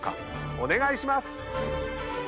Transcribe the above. お願いします！